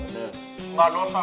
masa makan di sini malu